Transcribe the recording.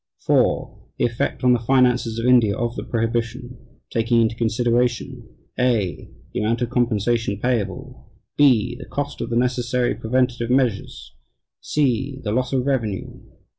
(4) The effect on the finances of India of the prohibition ... taking into consideration (a) the amount of compensation payable; (b) the cost of the necessary preventive measures; (c) the loss of revenue....